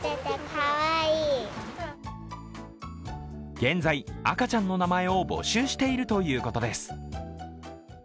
現在、赤ちゃんの名前を募集しているということです。